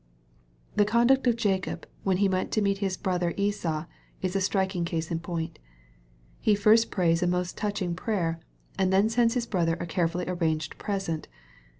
The conduct of Jacob, when he went to meet his brother Esau, is a striking case in point. He first prays a most touching prayer, and then sends his brother a carefully arranged present.